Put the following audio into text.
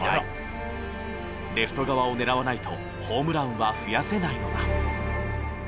レフト側を狙わないとホームランは増やせないのだ。